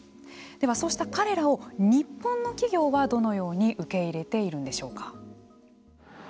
では、そうした彼らを日本の企業はどのように受け入れているんでしょうか。